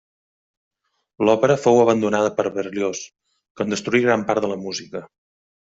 L'òpera fou abandonada per Berlioz, que en destruí gran part de la música.